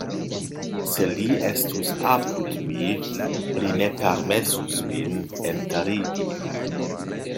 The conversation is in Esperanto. Se li estus apud mi, li ne permesus min enterigi.